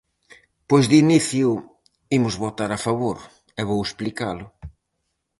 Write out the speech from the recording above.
Pois de inicio imos votar a favor, e vou explicalo.